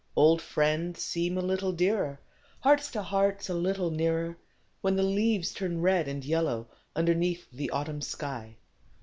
d Old 'friends seem a little dearer; Hearts to Hearts a little nearer, ( ADhen the leases turn red and Ljello^ Underneath the Autumn shij.